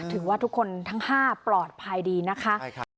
ถือว่าทุกคนทั้ง๕ปลอดภัยดีนะคะ